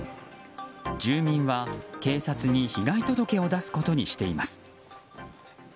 住民は警察に被害届を出すことにしています。